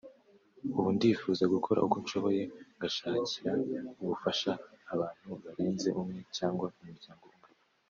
Ubu ndifuza gukora uko nshoboye ngashakira ubufasha abantu barenze umwe cyangwa umuryango umwe